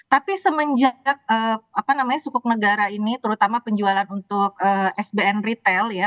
tapi semenjak sukuk negara ini terutama penjualan untuk sbn retail ya